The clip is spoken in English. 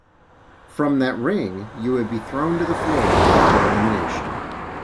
From that ring you would be thrown to the floor for elimination.